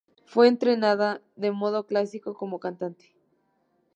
Fue entrenada de modo clásico como cantante.